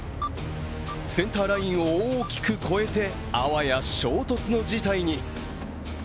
センターラインを大きく越えてあわや衝突の事態に。